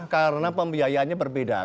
karena pembiayaannya berbeda